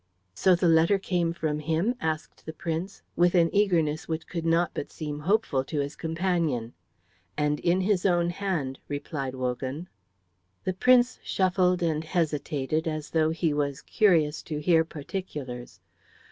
"So the letter came from him?" asked the Prince, with an eagerness which could not but seem hopeful to his companion. "And in his own hand," replied Wogan. The Prince shuffled and hesitated as though he was curious to hear particulars.